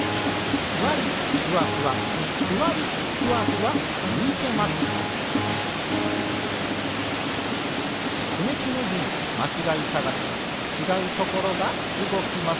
ふわりふわふわふわりふわふわういてます「くねくね人まちがいさがし」ちがうところがうごきます。